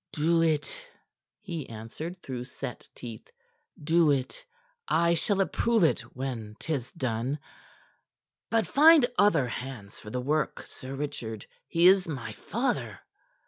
"Do it," he answered through set teeth. "Do it! I shall approve it when 'tis done. But find other hands for the work, Sir Richard. He is my father."